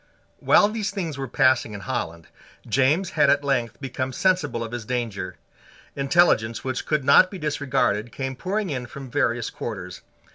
While these things were passing in Holland, James had at length become sensible of his danger. Intelligence which could not be disregarded came pouring in from various quarters.